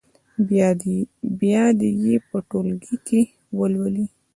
بیا دې یې په ټولګي کې ولولي.